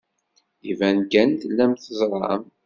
Iban kan tellam teẓram.